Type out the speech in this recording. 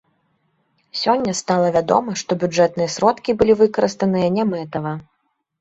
Сёння стала вядома, што бюджэтныя сродкі былі выкарыстаныя нямэтава.